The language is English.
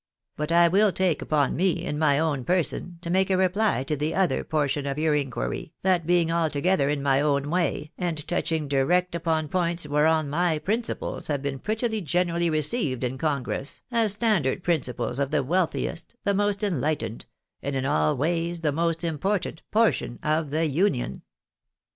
But I will take upon me, in my own person, to make a reply to the other portion of your inquiry, that being altogether in my own way, and touching direct upon points whereon my principles have been pretty generally received in congress, as standard principles of the wealthiest, the most enhghtened, and in all ways the most important, portion of the Union."